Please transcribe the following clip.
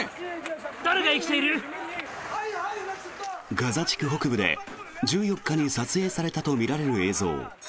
ガザ地区北部で１４日に撮影されたとみられる映像。